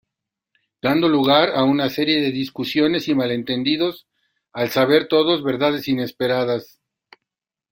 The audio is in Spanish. Dando lugar a una serie de discusiones y malentendidos al saber todos verdades inesperadas.